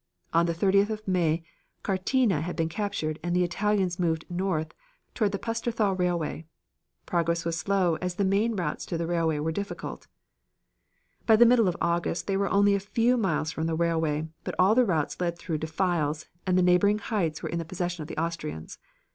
On the 30th of May Cartina had been captured, and the Italians moved north toward the Pusterthal Railway. Progress was slow, as the main routes to the railway were difficult. By the middle of August they were only a few miles from the railway, but all the routes led through defiles, and the neighboring heights were in the possession of the Austrians.